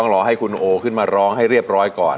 รอให้คุณโอขึ้นมาร้องให้เรียบร้อยก่อน